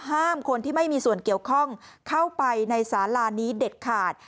ห้ามคนที่ไม่มีส่วนเกี่ยวข้องเข้าไปในสาลานี้เด็ดขาด